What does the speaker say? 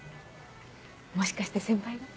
もしかして先輩が？